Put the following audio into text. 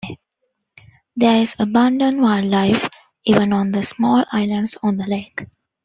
There is abundant wildlife even on the small islands on the lake.